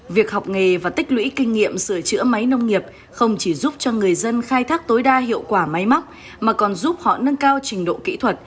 việc học nghề và tích lũy kinh nghiệm sửa chữa máy nông nghiệp không chỉ giúp cho người dân khai thác tối đa hiệu quả máy móc mà còn giúp họ nâng cao trình độ kỹ thuật